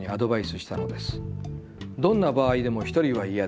『どんな場合でも一人はイヤだ。